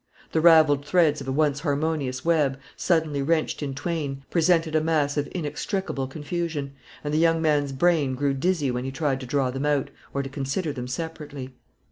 The ravelled threads of a once harmonious web, suddenly wrenched in twain, presented a mass of inextricable confusion; and the young man's brain grew dizzy when he tried to draw them out, or to consider them separately.